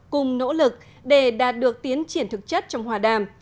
cùng nỗ lực để đạt được tiến triển thực chất trong hòa đàm